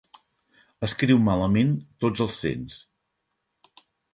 Escriu malament tots els cents.